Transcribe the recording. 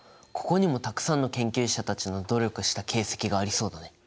ここにもたくさんの研究者たちの努力した形跡がありそうだね。